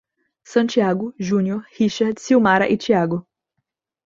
Santiago, Júnior, Richard, Silmara e Thiago